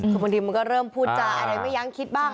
คือบางทีมันก็เริ่มพูดจาอะไรไม่ยั้งคิดบ้าง